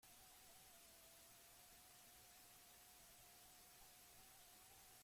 Unionismoa neurria ezin hartuta dabil.